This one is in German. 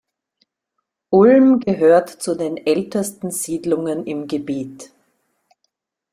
Ulm gehört zu den ältesten Siedlungen im Gebiet.